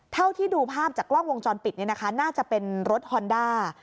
เท่าที่ดูภาพจากกล้องวงจรปิดเนี่ยนะคะน่าจะเป็นรถฮอนด้า